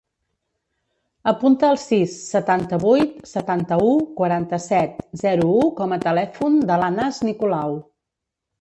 Apunta el sis, setanta-vuit, setanta-u, quaranta-set, zero, u com a telèfon de l'Anas Nicolau.